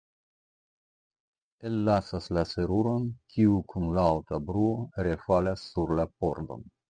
Ellasas la seruron, kiu kun laŭta bruo refalas sur la pordon.